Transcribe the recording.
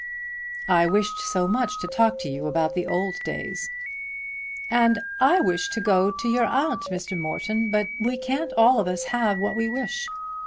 "I wished so much to talk to you about the old days." "And I wish to go to your aunt, Mr. Morton; but we can't all of us have what we wish.